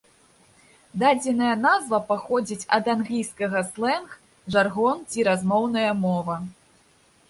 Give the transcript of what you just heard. Дадзеная назва паходзіць ад англійскага слэнг, жаргон ці размоўная мова.